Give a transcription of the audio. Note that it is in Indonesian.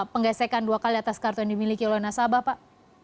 penggesekan dua kali atas kartu yang dimiliki oleh nasabah pak